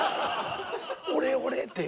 「俺俺」って。